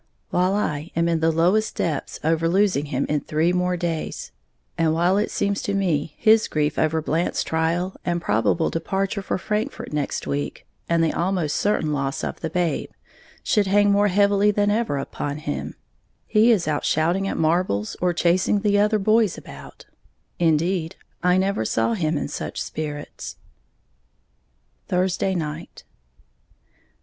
While I am in the lowest depths over losing him in three more days, and while it seems to me his grief over Blant's trial and probable departure for Frankfort next week, and the almost certain loss of the babe, should hang more heavily than ever upon him, he is out shouting at marbles, or chasing the other boys about, indeed, I never saw him in such spirits. _Thursday Night.